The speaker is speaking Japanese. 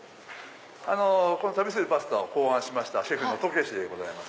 「旅するパスタ」を考案しましたシェフの渡慶次でございます。